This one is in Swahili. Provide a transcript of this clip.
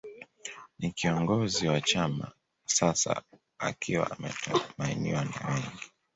Ni kiongozi wa chama sasa akiwa ametumainiwa na wengi